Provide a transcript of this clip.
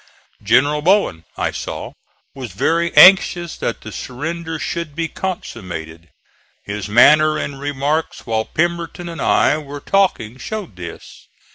General Bowen, I saw, was very anxious that the surrender should be consummated. His manner and remarks while Pemberton and I were talking, showed this.